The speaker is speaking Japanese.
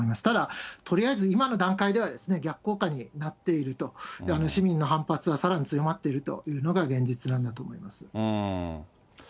ただ取りえず今の段階では、逆効果になっていると、市民の反発はさらに強まっているというのが現実なんだと思います。